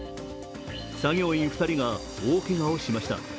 作業員２人が大けがをしました。